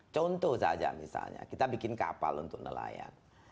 contoh saja misalnya kita bikin kapal untuk nelayan